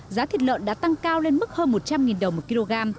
giá thịt lợn đã tăng cao lên mức hơn một trăm linh đồng một kg